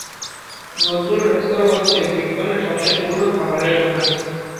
নজরুল রেস্তোরাঁ হচ্ছে ব্রিকলেনের সবচেয়ে পুরোনো খাবারের দোকান।